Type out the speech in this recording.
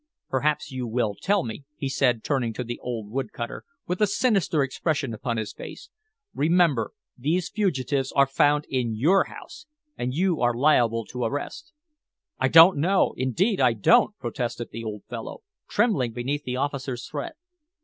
"Perhaps you will tell me," he said, turning to the old wood cutter with a sinister expression upon his face. "Remember, these fugitives are found in your house, and you are liable to arrest." "I don't know indeed I don't!" protested the old fellow, trembling beneath the officer's threat.